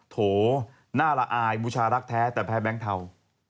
โถน่าละอายบูชารักแท้แต่แพ้แบงค์เทา